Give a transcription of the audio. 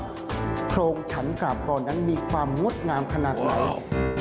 ว่าโครงฉันกลับกรนั้นมีความมุดงามขนาดไหน